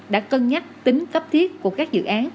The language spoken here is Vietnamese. đã cân nhắc tính cấp thiết của các dự án